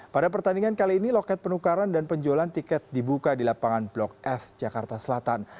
pada pertandingan kali ini loket penukaran dan penjualan tiket dibuka di lapangan blok s jakarta selatan